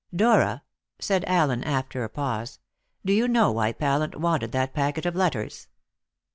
"Dora," said Allen after a pause, "do you know why Pallant wanted that packet of letters?"